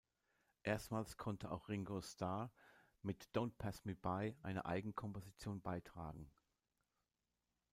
Erstmals konnte auch Ringo Starr mit "Don’t Pass Me By" eine Eigenkomposition beitragen.